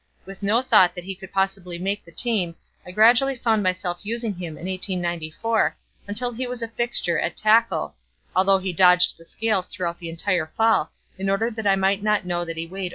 With no thought that he could possibly make the team I gradually found myself using him in 1894, until he was a fixture at tackle, although he dodged the scales throughout the entire fall in order that I might not know that he only weighed 162 pounds.